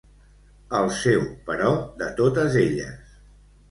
El seu, però de totes elles.